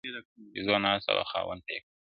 بيزو ناسته وه خاوند ته يې كتله،